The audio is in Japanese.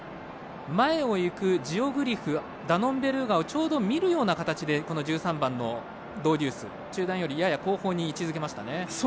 前をいくジオグリフダノンベルーガをちょうど見るような形でこの１３番のドウデュース中団よりやや後方に位置づけましたね。